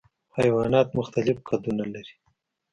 حیوانات مختلف قدونه لري.